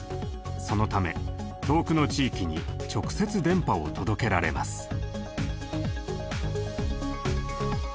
そのため遠くの地域に直接電波を届けられます。